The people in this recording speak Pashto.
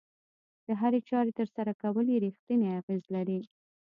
د هرې چارې ترسره کول يې رېښتینی اغېز لري.